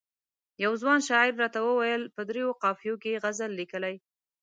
یوه ځوان شاعر راته وویل په دریو قافیو کې یې غزل لیکلی.